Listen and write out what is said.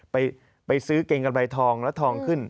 ไปซื้อเกงกำไรทองแล้วทองขึ้น